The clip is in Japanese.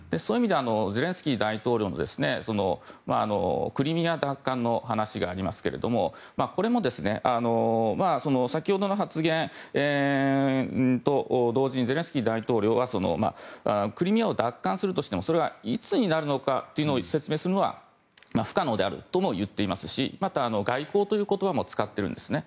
ゼレンスキー大統領のクリミア奪還の話がありますがこれも先ほどの発言と同時にゼレンスキー大統領はクリミアを奪還するとしてもそれがいつになるかを説明するのは不可能であるとも言っていますしまた、外交という言葉も使っているんですね。